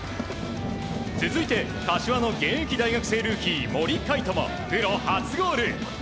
続いて、柏の現役大学生ルーキー森海渡もプロ初ゴール。